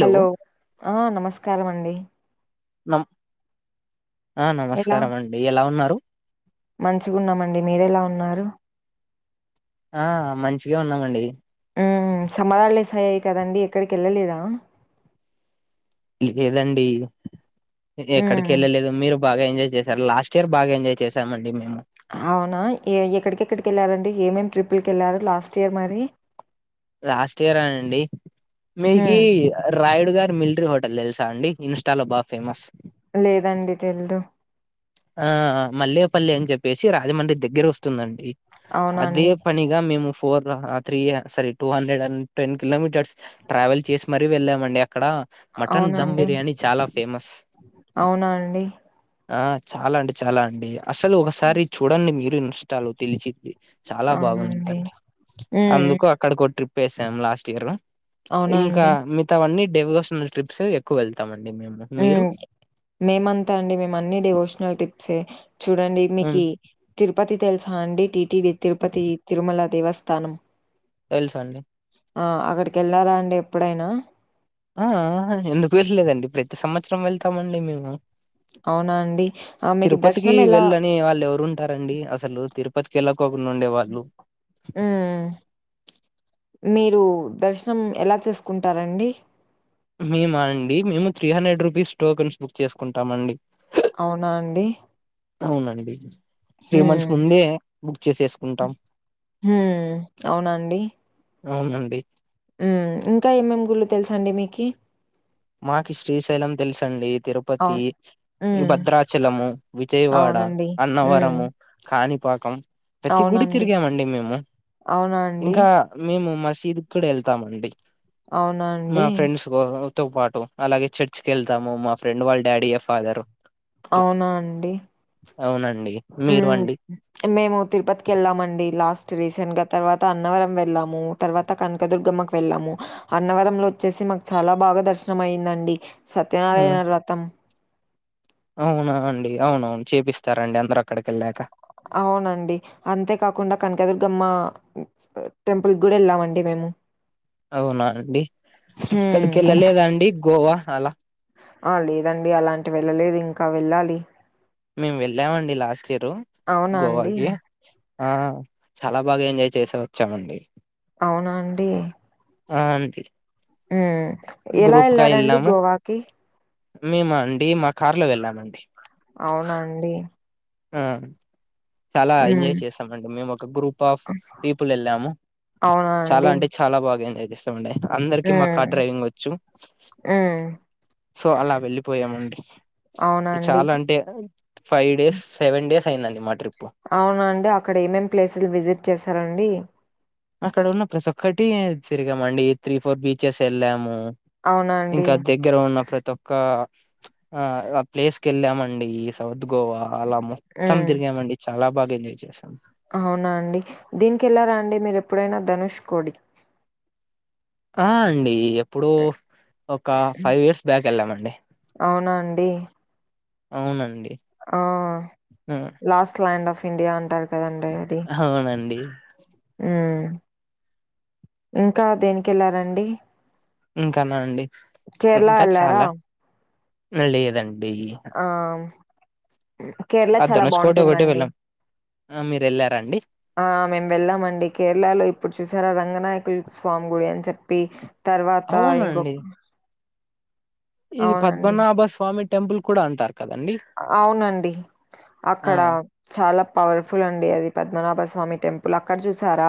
Hello ఆ నమస్కారం అండి నమ్ ఆ ఎలా నమస్కారం అండి ఎలా ఉన్నారు మంచిగున్నామండి మీరెలా ఉన్నారు ఆ మంచిగా ఉన్నామండి సమ్మర్ హాలిడేస్ అయ్యాయి కదండి ఎక్కడికి వెళ్ళలేదా లేదండి ఎక్కడికి హ్మ్ వెళ్ళలేదు మీరు బాగా ఎంజాయ్ చేశారు లాస్ట్ ఇయర్ బాగా ఎంజాయ్ చేశామండి మేము అవునా ఎక్కడికెక్కడికి వెళ్ళారండి ఏమేమి ట్రిప్పుల్కి వెళ్ళారు లాస్ట్ ఇయర్ మరి లాస్ట్ ఇయర్నండి మీకి హ్మ్ రైడ్ గారు మిలిటరీ హోటల్ తెలుసాండి ఇన్స్టా లో బా ఫేమస్ లేదండి తెలుదు ఆ మల్లేపల్లి అని చెప్పేసి రాజమండ్రి దగ్గర వస్తుంది ఉందండి అవునా అదే అండి పనిగా మేము four three sorry two hundred and ten kilometres travel చేసి మరీ వెళ్ళామండి అక్కడ మటన్ అవునా దమ్ అండి బిర్యానీ చాలా ఫేమస్ అవునా అండి ఆ చాలా అండి చాలా అండి అసలు ఒకసారి చూడండి మీరు ఇష్టాలు తెలిచిది చాలా అవునా అండి బాగుందిద్దండి హ్మ్ అందుకు అక్కడికి ఓ ట్రిప్ వేసాం లాస్ట్ ఇయర్ లో అవునా ఇంకా అండి మిగతా అన్నీ డెవకేషనల్ ట్రిప్స్ ఎక్కువ వెళ్తాంమడి మేమంతా అండి మేమన్ని డివోషనల్ టిప్సే చూడండి మీకి తిరుపతి తెలుసా అండి టీడి తిరుపతి తిరుమల దేవస్థానం తెలుసు అండి ఆ అక్కడికి వెళ్ళారా అండి ఎప్పుడైనా ఆ ఆ ఎందుకు వెళ్ళలేదండి ప్రతి సంవత్సరం వెళ్తామండి మేము అవునా అండి. ఆ మీకు తిరుపతికి దర్శనం ఎలా వెళ్ళని వాళ్ళు ఎవరు ఉంటారండి అసలు తిరుపతికి వెళ్ళ ళ్ళకొక ఉండే వాళ్ళు ఉ మీరు దర్శనం ఎలా చేసుకుంటారండి మేమా అండి మేము three hundred rupees tokens book చేసుకుంటాం అండి అవునా అండి అవునండి త్రీ హ్మ్. మంత్స్ ముందే బుక్ చేసేసుకుంటాం ఉమ్ అవున అండి అవునండి ఇంకా ఏమేం గుళ్ళు తెలుసా అండి మీకి మాకి శ్రీశైలం తెలుసండి తిరుపతి అవును. హ్మ్. భద్రాచలము విజయవాడ అవునండి. హ్మ్. అన్నవరము కాని పాకం ప్రతి గుడి అవునండి. తిరిగామండి మేము అవునా అండి? ఇంకా మేము షిర్డీ కూడా వెళ్తామండి అవునా మా అండి? ఫ్రెండ్స్ తో పాటు అలాగే చర్చికి వెళ్తాము. మా ఫ్రెండ్ వాళ్ళ డాడీయే ఫాదర్ ఇట్లా అవునా అండి అవునండి మీరు అండి మ్మ్ మేము తిరుపతికి వెళ్ళామండి లాస్ ట్ రీసెంట్ గా తర్వాత అన్నవరం వెళ్ళాము. తర్వాత కనకదుర్గమ్కు వెళ్ళాము. అన్నవరంలో వచ్చేసి మాకు చాలా బాగా దర్శనం అయిిందండి. ఆ, సత్యనారాయణ వ్రతం అవునా అండి అవునవును చేపిస్తారండి అందరు అక్కడికి వెళ్ళాక అవునండి అంతేకాకుండా కనకదుర్గమ్మ టెంపుల్ కి కూడా వెళ్ళామండి మేము మ్మ్ అవునా అండి ఇక్కడికి వెళ్ళలేదా అండి గోవా అలా ఆ లేదండి అలాంటివి వెళ్ళలేదు ఇంకా వెళ్ళాలి మేము వెళ్ళామండి లాస్ట్ ఇయరు అవునా అండి? గోవాకి ఆ చాలా బాగా ఎంజాయ్ చేసి వచ్చామండి అవునా అండి ఆ అండి మ్మ్ ఎలా వెళ్లారండి గోవాకి మేమా అండి మా కార్ లో వెళ్ళామండి అవునా అండి మ్మ్ చాలా హ్మ్. ఎంజాయ్ చేసామండి మేము ఒక గ్రూప్ ఆఫ్ పీపుల్ వెళ్ళాము. అవునా చాలా అండి? అంటే చాలా బాగా ఎంజాయ్ చేసామండి అందరికి మా హ్మ్. కార్ డ్రైవింగ్ వచ్చు హ్మ్. సో అలా వెళ్ళిపోయామండి అవునా అండి. చాలా అంటే ఫైవ్ డేస్, సెవెన్ డేస్ అయిందండి మా ట్రిప్ అవునండి అక్కడ ఏమేం ప్లేసులు విజిట్ చేసారండి అక్కడ ఉన్న ప్రతి ఒక్కటి తిరిగామండి త్రీ, ఫోర్ బీచెస్ వెళ్ళాము అవునా అండి. ఇంకా దగ్గర ఉన్న ప్రతి ఒక్క ఆ ప్లేస్ కెళ్ళామండి ఈ సౌ గోవా అలా మొత్తం హ్మ్. తిరిగామండి. చాలా బాగా ఎంజాయ్ చేసాం అవునా అండి దీనికి వెళ్ళారా అండి మీరు ఎప్పుడైనా ధనుష్ కోటి ఆ అండి ఎప్పుడో ఒక హ్మ్. ఫైవ్ ఇయర్స్ బ్యాక్ వెళ్ళామండి అవునా అండి. అవునండి ఆ హ్మ్. లాస్ట్ ల్యాండ్ ఆఫ్ ఇండియా అంటారు కదంట అది అవునండి మ్మ్ ఇంకా దేనికెళ్లారండి ఇంకానా అండి కేరళ ఇంకా ఎళ్లారా? చాలా ఆ లేదండి ఆ కేరళ ఆ చాలా ధనుష్కోటి ఒకటే బాగుంటుందండి వెళ్ళాం మీరు వెళ్ళారా అండి ఆ మేము వెళ్ళామండి కేరళలో ఇప్పుడు చూసారా రంగ నాయకులు స్వామి గుడి అని చెప్పి తర్వాత ఇంకొక అవునండి ఇది అవునండి. పద్మనాభ స్వామి టెంపుల్ కూడా అంటారు కదండి అవునండి ఆ అక్కడ చాలా పవర్ఫుల్ అండి అది పద్మనాభ స్వామి టెంపుల్ అక్కడ చూసారా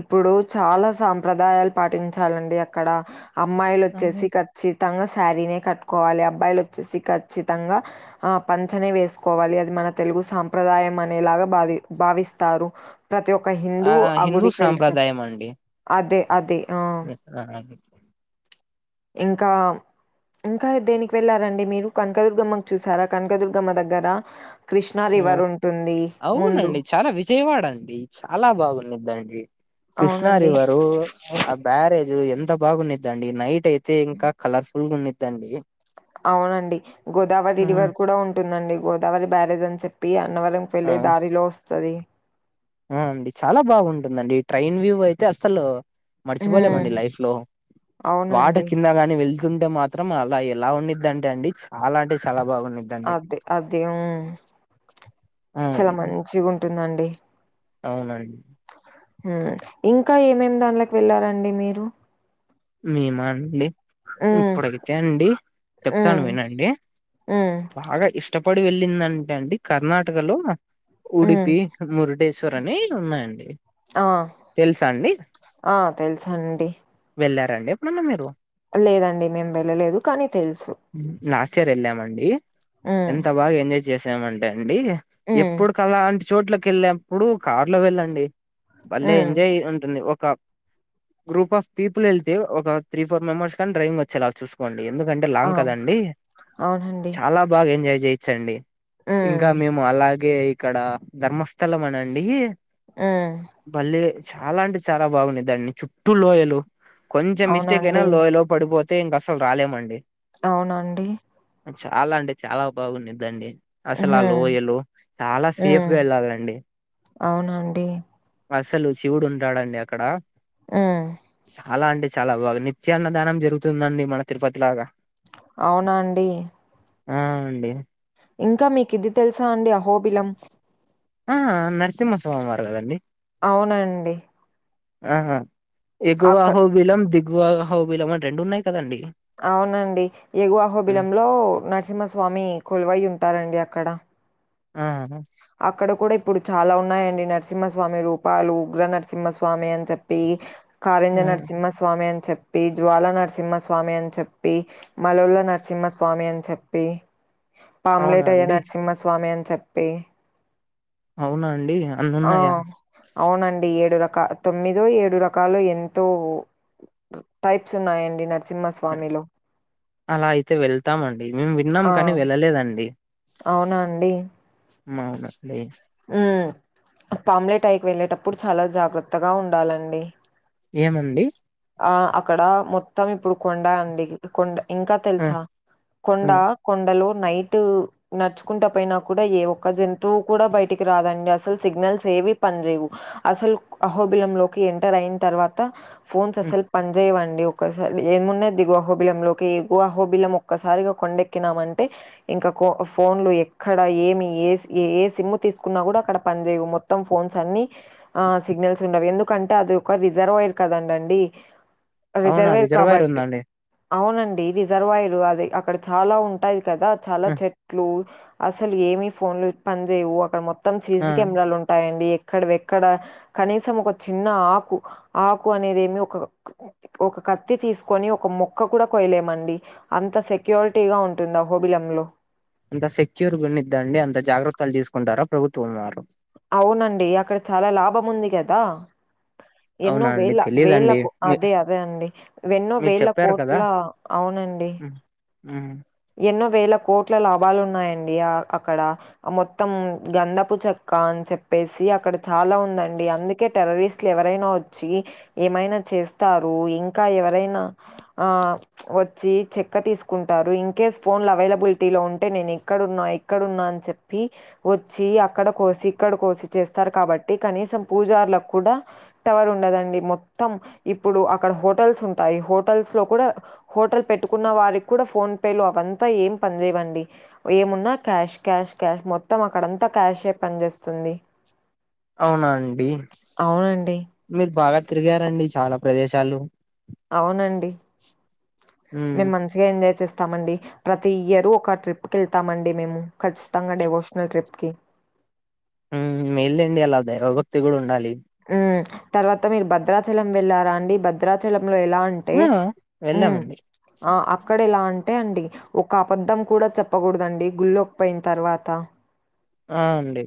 ఇప్పుడు చాలా సాంప్రదాయ యాలు పాటించాలండి అక్కడ అమ్మాయిలు ఆహా! వచ్చేసి ఖచ్చితంగా శారీనే కట్టుకోవాలి అబ్బాయిలు వచ్చేసి ఖచ్చితంగా ఆ పంచనే వేసుకోవాలి. అది మన తెలుగు సాంప్రదాయం అనేలాగా బావి భావిస్తారు ప్రతి ఒక్క హిందూ ఆ హిందూ గుడికి వెళ్ళటం సాంప్రదాయం అండి అదే అదే. ఆ! [inaudible] ఇంకా ఇంకా దేనికి వెళ్ళారండి మీరు కనకదుర్గమ్మ ను చూసారా కనకదుర్గమ్మ దగ్గర కృష్ణ ఆ! రివర్ ఉంటుంది ముందు. అవునండి చాలా విజయవాడ అండి చాలా బాగున్నద్దండి కృష్ణా అవునండి. రివరు, ఆ బ్యారేజ్ ఎంత బాగున్నదిండి నైట్ అయితే ఇంకా కలర్ ఫు ల్ ఉన్నిద్దండి అవునండి, గోదావరి రివర్ కూడా ఉంటుందండి, గోదావరి బ్యారేజ్ అని చెప్పి అ. అన్నవరం ఆ! పెళ్ళే దారిలో ఓస్తది. ఆ అండి చాలా బాగుంటుందండి ట్రైన్ వ్యూ అయితే అస్సలు. హ్మ్. మర్చిపోలేమండి లైఫ్ లో, అవునండి. వాటర్ కింద గాని వెళ్. ఏళ్తుంటే మాత్రం అలా ఎలా ఉండిది అండి, సాలా అంటే సాలా బాగు. అదే అదే ఉమ్, ఆ! చాలా అండి. మంచి ఉంటుందండి. అవునండి. ఇంకా ఏమేమి దానిలోకి వెళ్లారండి మీరు. మేమా అండి. హ్మ్. ఇప్పుడు అయితేఅండి, చెప్తాను హ్మ్. వినండి, హ్మ్. బాగా ఇష్టం. అప్పడు వెళ్ళిందంటే అండి, కర్ణాటకలో హ్మ్. ఉడిపి మురుటేశ్వ. చూరని ఉన్నాయండి. ఆ తెలుసా అండి ఆ తెలుసా అండి. వెళ్ళారండి ఎప్పుడన్నా మీరు. మేము వెళ్ళలేదు. కానీ తెలుసు. లాస్ట్ ఇయర్ ఏళ్ళామండి. హ్మ్. ఎంత బాగ ఎంజాయ్ చె. చేసామంటే అండి, హ్మ్. ఎప్పుడుకలాలాంటి చోట్లకి ఏళ్ళేప్పుడు కార్ లో వెళ్ళండి. భళ్లే హ్మ్. ఎంజాయ్ ఉంటుంది ఒక, గ్రూప్ ఆఫ్. పీపుల్ ఏళ్తే ఒక, త్రీ ఫో మెంబర్స్ కైన డైవింగ్ వొచ్చేలా చూకోండి. ఎందుకంటే ఆ! లాంగ్ కదండి, అవునండి. చాలా బాగా ఎంజాయ్ జెయచ్చండి. హ్మ్. ఇంకా మేము అలాగే ఇక్కడ, ధర్మస్థలం అనండి. హ్మ్. మళ్ళీ చాలా అంటే చాలా బాగుండిదండి, చుట్టూ లోయలు. కొంచెం మిస్టేక్ అయినా అవునండి. లోయ లో పడిపోతే ఇంక అసలు రాలేమండి. అవునండి. చాలా అంటే చాలా బాగుడిదిండి. అసలు ఆ హుహు. లోయలు, చాలా హ్మ్. సేఫ్గా ఏళ్ళాలండి. అవునండి. అసలు శివుడు ఉంటాడండి అక్కడ. ఉమ్. అలా అంటే చాలా బాగా నిత్యాన్నదానం జరుగుతుందండి, మన తిరుపతి లాగా. అవునండి. ఆ అండి. ఇంకా మీకు ఇది తెలుసా అండి, అహోబిలం. ఆ నరసింహస్వామి వారు కదండి అవునండి. ఆహా అక్క ఎగువఅహోబిలం, దిగువఅహోబిలం అని రెండు ఉన్నాయి. కదండి అవునండి ఆ ఎగువాఅహోబిలంలో నర్సింహస్వామి, కొలువై ఉంటారండి అ. అక్కడ. ఆహ. అక్కడ కూడా ఇప్పుడు చాలా ఉన్నాయండి, నరసింహస్వామి రూపాలు, ఉగ్ర నరసింహస్వామి అని చెప్పి. ఆ, కారెంజ నరసింహస్వామి అని చెప్. చెప్పి జ్వాల నరసింహ స్వామి అని చెప్పి, మలన్న నరసింహ స్వామి అని చెప్పి. అవునా ఆమ్లెట్ అయ్యే, అండి నరసింహస్వామి అని చెప్పి. అవునా అండి అన్ని ఆ ఉన్నాయా అవునండి ఏడు రక. ఇంకా తొమ్మిదో ఏడు రకాలు ఎంతో టైప్స్ ఉన్నాయండి న. అలా అయితే వెళ్తామండి, మేము విన్నాం ఆ! కానీ వెళ్ళలేదండి. అవునా అండి. మా ఉన్న విలేజ్. ఉమ్ పాప్ అమ్లెట్ అయిపోయి ఏళ్ళేటప్పుడు చాలా జాగ్రత్తగా ఉండాలండి. ఏముంది. ఆ అక్కడ మొత్తం, ఇప్పుడు కొండ అండి కొండ. ఇంకా ఆ! తెలుసా, కొండ హ్మ్. కొండలు. నైట్ నడుచుకుంట పోయినా కూడా, ఏ ఒక్క జంతువు కూడా బయటికి రాదండి అసలు సిగ్నల్స్ ఏ. ఏవి పని చేేవు అసలు అహోబిలం లోకి ఎంటర్ అయిన తర్వాత ఫోన్స్ హ్మ్. అసలు పనిజైవ్ ఆ ఒకసారి ఏమున్న దిగో హోబిలం లోకి గుహోబిలం ఒక్కసారిగా కొండెక్కినామ అంటే ఇంకా ఫోన్లు ఎక్కడ ఏమి ఏ ఏ సిమ్ తీసుకున్నా కూడా అక్కడ పని చేయవు మొత్తం ఫోన్స్ అన్ని ఆ సిగ్నల్స్ ఉండవు ఎందుకంటే అది ఒక రిజర్వాయర్ కదండండి అవునా రిజర్వేర్ రిజర్వాయర్ కాబట్టి ఉందండి. అవునండి రిజర్వాయర్ అది అక్కడ చాలా ఉంటాది కదా చాలా ఆ! చెట్లు అసలు ఏమి ఫోన్లు పనిచయవు అక్కడ మొత్తం సి ఆ! సి కెమెరాలు ఉంటాయండి కడవ ఎక్కడ కనీసం ఒక చిన్న ఆకు ఆకు అనేది ఏమి ఒక ఒక కత్తి తీసుకొని ఒక మొక్క కూడా కొయలేమండి అంత సెక్యూరిటీ గా ఉంటుందా హోబిలమ్ లో అంత సెక్యూర్ గునిద్దండి అంత జాగ్రత్తలు తీసుకుంటారా ప్రభుత్వం వారు అవునండి అక్కడ చాలా లాభం ఉంది కదా ఎన్నో అవునా అండి వేల వేల తెలీదండి. మీ అదే అదే అండి ఎన్నో మీరు వేల చెప్పారు కోట్ల అవును వునండి హ్మ్మ్ ఎన్నో వేల కోట్ల లాభాలు ఉన్నాయండి అక్కడ మొత్తం గందపు చెక్క చెప్పేసి అక్కడ చాలా ఉందండి అందుకే టెర్రరిస్ట్ ఇట్లా ఎవరైనా వచ్చి ఏమైనా చేస్తారు ఇంకా ఎవరైనా ఆ వచ్చి చెక్క తీసుకుంటారు ఇం కేస్ ఫోన్లు అవైలబిలిటీ లో ఉంటే నేను ఇక్కడున్నా ఇక్కడున్నా అని చెప్పి వచ్చి అక్కడ కోస్ సీక్కడి కోసి చేస్తారు కాబట్టి కనీసం పూజారులకు కూడా టవర్ ఉండదండి మొత్తం ఇప్పుడు అక్కడ హోటల్స్ ఉంటాయి హోటల్స్ లో కూడా హోటల్ పెట్టుకున్న వారికి కూడా ఫోన్ పేలు అవంతా ఏం పని చేేయవండి ఏమున్నా క్యాష్ క్యాష్ క్యాష్ మొత్తం అక్కడంతా క్యాష్ పనిచేస్తుంది అవునా అండి అవునండి మీరు బాగా తిరిగారండి చాలా ప్రదేశాలు అవునండి హ్మ్. మేము మంచిగా ఎంజాయ్ చేస్తామండి ప్రతి ఇయర్ ఒక ట్రిప్కి వెళ్తామండి మేము ఖచ్చితంగా డెవోషనల్ ట్రిప్కి హ్మ్మ్ మేల్ండి అలా దైవ భక్తి కూడా ఉండాలి ఉమ్మ్ తర్వాత మీరు భద్రాచలం వెళ్ళారా అండి భద్రాచలం లో ఎలా అంటే ఆ! వెళ్ళామండి. అక్కడ ఎలా అంటే అంటే అండి ఒక అబద్ధం కూడా చెప్పకూడదండి గుళ్ళకిపోయిన తర్వాత ఆ అండి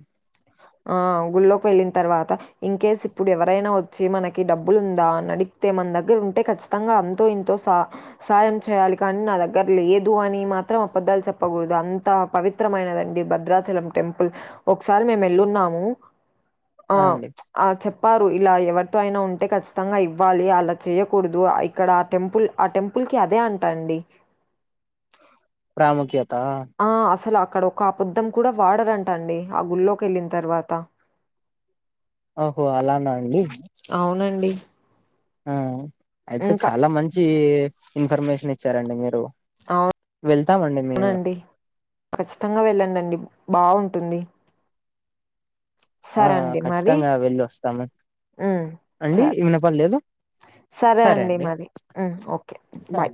ఆ గుళ్ళోకి వెళ్ళిన తర్వాత ఇన్కేస్ ఇప్పుడు ఎవరైనా వచ్చి మనకి డబ్బులు ఉందా అడి తే మన దగ్గర ఉంటే ఖచ్చితంగా అంతో ఇంతో సా సాహాయం చేయాలి కానీ నా దగ్గర లేదు అని మాత్రం అబద్ధాలు చెప్పకూడదు అంత పవిత్రమైనదండి భద్రాచలం టెంపుల్ ఓ ఒకసారి మేము వెళ్ళున్నాము ఆ! అండి. ఆ చెప్ ప్పారు ఇలా ఎవరితో అయినా ఉంటే ఖచ్చితంగా ఇవ్వాలి అలా చేయకూడదు ఇక్కడ ఆ టెంపుల్ ఆ టెంపుల్ క అదే అంటాండి ప్రాముఖ్య ఆ అసలు అక్కడ ఒక ఆపాద్దం కూడా వాడరంట అండి ఆ గుల్లోకి వెళ్ళిన తర్వాత ఓహో అలానా అండి అండి ఆ అయితే చాలా మంచి ఇన్ఫర్మేషన్ ఇచ్చారండి మీరు అవు ఇస్తామండి మేము ఖచ్చితంగా వెళ్ళండిండి బాగుంటుంది ఆ ఖచ్చితంగా వెళ్లి వస్తాము హ్మ్. అండి సరే. వినపడలేదు సరే అండి మరి ఓకే సరే బాయ్